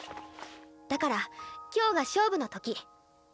だから今日が勝負の時。